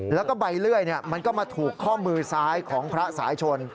แล้วก็ใบเลื่อยมันก็มาถูกข้อมือซ้ายของพระสายชน